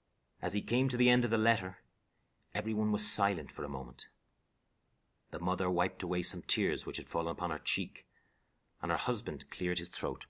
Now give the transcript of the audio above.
'" As he came to the end of the letter, every one was silent for a moment. The mother wiped away some tears which had fallen upon her cheek, and her husband cleared his throat.